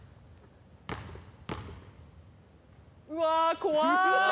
うわ怖い！